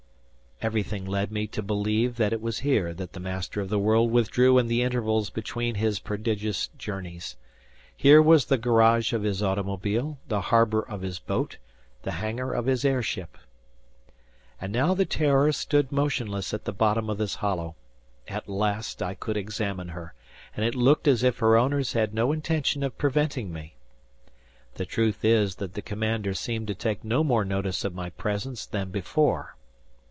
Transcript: Everything led me to believe that it was here that the Master of the World withdrew in the intervals between his prodigious journeys. Here was the garage of his automobile; the harbor of his boat; the hangar of his air ship. And now the "Terror" stood motionless at the bottom of this hollow. At last I could examine her; and it looked as if her owners had no intention of preventing me. The truth is that the commander seemed to take no more notice of my presence than before.